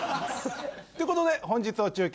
ということで本日の中継